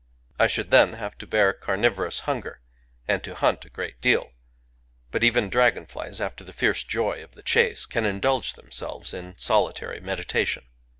I should then have to bear carnivorous hunger, and to hunt a great deal ; but even dragon flies, after the fierce joy of the chase, can indulge themselves in solitary meditation.